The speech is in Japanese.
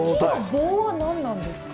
棒は何なんですか？